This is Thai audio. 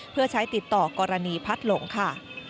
เพื่อใช้ติดต่อกรณีพัดหลงค่ะ